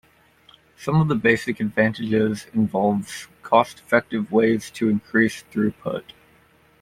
Some of the basic advantages involves cost-effective ways to increase throughput.